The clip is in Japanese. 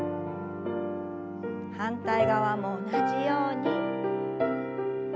反対側も同じように。